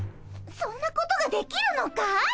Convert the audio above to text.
そんなことができるのかい？